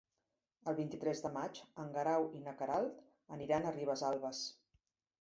El vint-i-tres de maig en Guerau i na Queralt aniran a Ribesalbes.